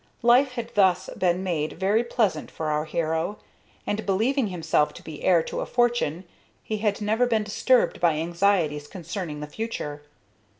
Life had thus been made very pleasant for our hero, and, believing himself to be heir to a fortune, he had never been disturbed by anxieties concerning the future.